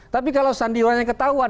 tapi kalau sandiwara yang ketahuan